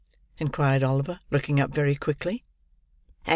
inquired Oliver, looking up very quickly.